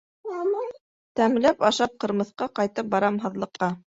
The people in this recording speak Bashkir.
Тәмләп ашап ҡырмыҫҡа Ҡайтып барам һаҙлыҡҡа